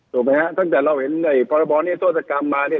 ถูกมั้ยฮะตั้งแต่เราเห็นในปรบรณ์นี้โทษกรรมมาเนี่ย